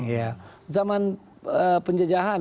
ya zaman penjajahan